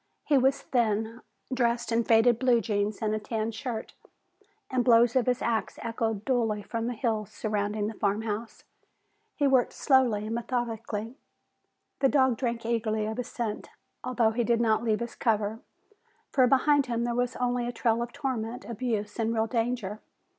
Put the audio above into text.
He was thin, dressed in faded blue jeans and a tan shirt, and the blows of his axe echoed dully from the hills surrounding the farm house. He worked slowly and methodically. The dog drank eagerly of his scent, although he did not leave his cover, for behind him there was only a trail of torment, abuse and real danger.